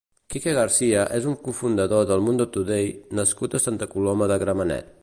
Kike García és un cofundador d'El Mundo Today nascut a Santa Coloma de Gramenet.